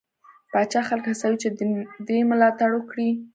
پاچا خلک هڅوي چې دې ده ملاتړ وکړي.